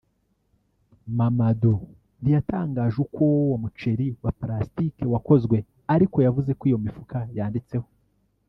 Mamudu ntiyatangaje uko uwo muceri wa plastique wakozwe ariko yavuze ko iyo mifuka yanditseho